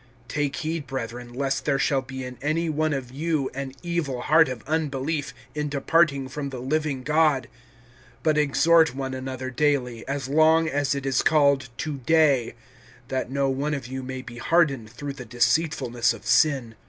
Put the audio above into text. (12)Take heed, brethren, lest there shall be in any one of you an evil heart of unbelief, in departing from the living God. (13)But exhort one another daily, as long as it is called To day, that no one of you may be hardened through the deceitfulness of sin.